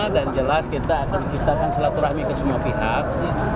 dan jelas kita akan menciptakan selaturahmi ke semua pihak